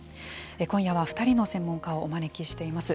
今夜は２人の専門家をお招きしています。